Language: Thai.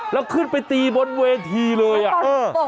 เราขึ้นไปตีบนเวทีเลยอะอืม